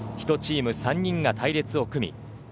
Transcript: １チーム３人が隊列を組み